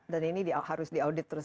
dan ini harus diaudit terus